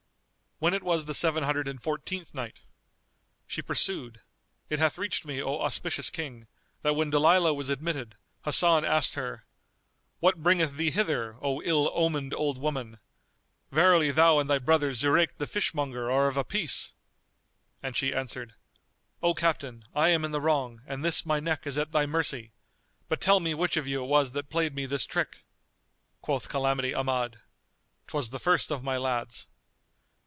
When it was the Seven Hundred and Fourteenth Night, She pursued, It hath reached me, O auspicious King, that when Dalilah was admitted, Hasan asked her, "What bringeth thee hither, O ill omened old woman? Verily, thou and thy brother Zurayk the fishmonger are of a piece!"; and she answered, "O captain I am in the wrong and this my neck is at thy mercy; but tell me which of you it was that played me this trick?" Quoth Calamity Ahmad, "'Twas the first of my lads."